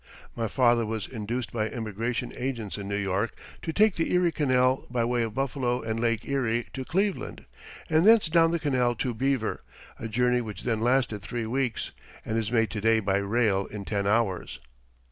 My father was induced by emigration agents in New York to take the Erie Canal by way of Buffalo and Lake Erie to Cleveland, and thence down the canal to Beaver a journey which then lasted three weeks, and is made to day by rail in ten hours.